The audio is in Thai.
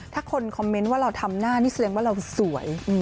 ถ้าคนคอมเมนต์ว่าเราทำหน้านี่แสดงว่าเราสวย